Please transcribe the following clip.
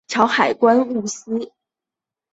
潮海关税务司旧址的历史年代为清代。